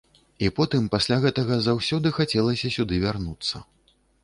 І потым пасля гэтага заўсёды хацелася сюды вярнуцца.